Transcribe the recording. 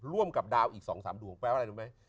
ร่วมกับดาวอีก๒๓ดวงแปลว่าอะไรรู้ไหม